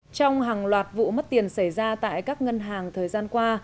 trong hàng loạt vụ mất tiền xảy ra tại các ngân hàng thời gian qua